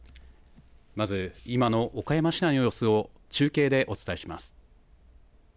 まず、今の岡山市内の様子を中継でお伝えします。